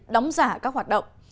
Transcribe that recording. đóng giả các hoạt động